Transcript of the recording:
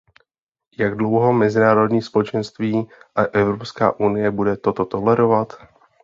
Jak dlouho mezinárodní společenství a Evropská unie bude toto tolerovat?